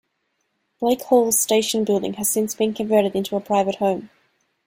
Blake Hall's station building has since been converted into a private home.